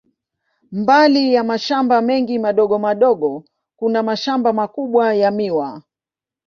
Mbali ya mashamba mengi madogo madogo, kuna mashamba makubwa ya miwa.